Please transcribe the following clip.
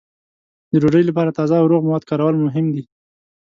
د ډوډۍ لپاره تازه او روغ مواد کارول مهم دي.